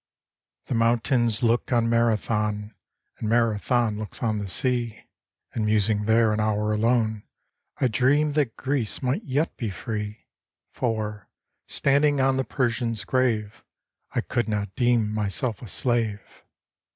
The mountains look on Marathon — And Marathon looks on the sea; And musing there an hour alone, I dream 'd that Greece might yet be free; For, standing on the Persians' grave, I could not deem myself a slave.